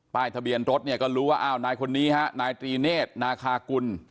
ทะเบียนรถเนี่ยก็รู้ว่าอ้าวนายคนนี้ฮะนายตรีเนธนาคากุล